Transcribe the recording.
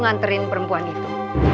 anterin perempuan itu